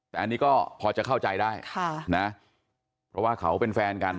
แต่อันนี้ก็พอจะเข้าใจได้ค่ะนะเพราะว่าเขาเป็นแฟนกัน